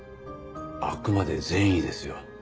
あくまで善意ですよ。